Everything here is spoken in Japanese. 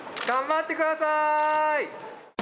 頑張ってください！